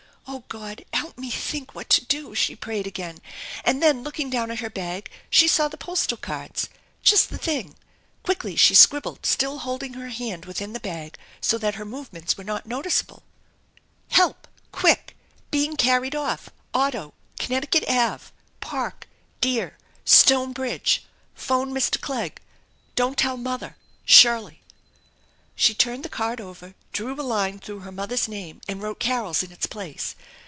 " Oh God ! Help me think what to do !" she prayed again, and then looking down at her bag she saw the postal cards. Just the thing! Quickly she scribbled, still holding her hand within the bag so that her movements were not noticeable :" Help ! Quick ! Being carried off ! Auto I Connecticut Ave. ! Park. Deer. Stone bridge. Phone Mr. Clegg. Don't tell mother! Shirley/' She turned the card over, drew a line through her mother'i name and wrote Carol's in its place.